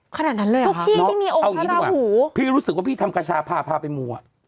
ขนาดนั้นเลยอ่ะเอาอย่างนี้ดีกว่าพี่รู้สึกว่าพี่ทำกระชาพาพาไปมูอ่ะ